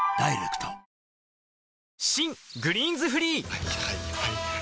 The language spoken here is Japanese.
はいはいはいはい。